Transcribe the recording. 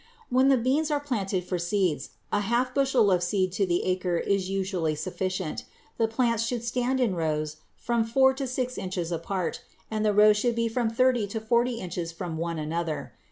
When the beans are planted for seeds, a half bushel of seed to the acre is usually sufficient. The plants should stand in the rows from four to six inches apart, and the rows should be from thirty to forty inches from one another.